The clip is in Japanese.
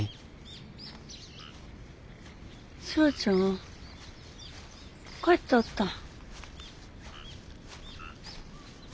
ツヤちゃん帰っとったん。